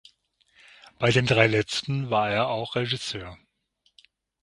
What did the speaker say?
Bei den drei letzten war er auch Regisseur.